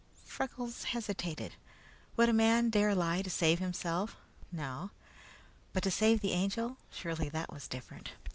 Freckles hesitated. Would a man dare lie to save himself? No. But to save the Angel surely that was different.